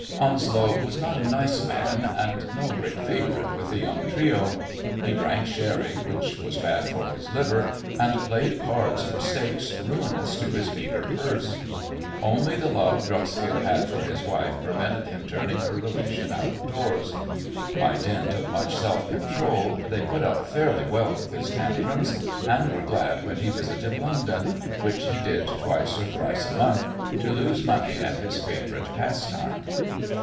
Onslow was not a nice man, and no great favourite with the young trio. He drank sherry, which was bad for his liver, and played cards for stakes ruinous to his meagre purse. Only the love Dreuxfield had for his wife prevented him turning her relation out of doors. By dint of much self control they put up fairly well with his tantrums, and were glad when he visited London (which he did twice or thrice a month) to lose money at his favourite pastime.